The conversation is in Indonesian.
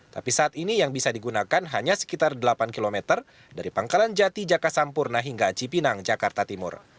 tapi saat ini yang bisa digunakan hanya sekitar delapan km dari pangkalan jati jaka sampurna hingga cipinang jakarta timur